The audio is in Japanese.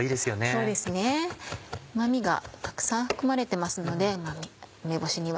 そうですねうま味がたくさん含まれてますので梅干しには。